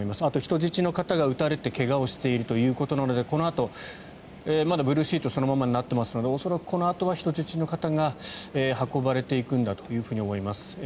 あと人質の方が撃たれて怪我をしているということなのでこのあとまだブルーシートそのままになってますので恐らく、このあとは人質の方が運ばれていくんだと思います。